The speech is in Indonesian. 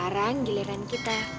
sekarang giliran kita